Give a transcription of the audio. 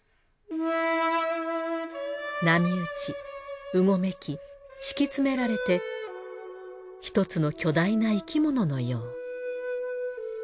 波打ちうごめき敷き詰められて一つの巨大な生き物のよう。